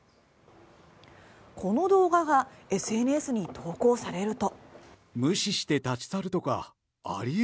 この動画がＳＮＳに投稿されると。